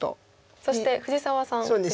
そして藤沢さんですが。